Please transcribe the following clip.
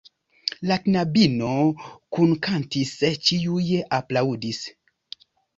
La knabino kunkantis, ĉiuj aplaŭdis.